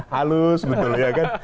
halus betul ya kan